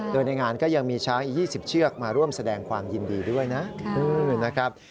โดยในงานก็ยังมีช้างอีก๒๐เชือกมาร่วมแสดงความยินดีด้วยนะครับ